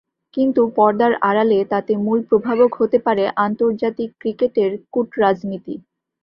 কিন্তু পর্দার আড়ালে তাতে মূল প্রভাবক হতে পারে আন্তর্জাতিক ক্রিকেটের কূটরাজনীতি।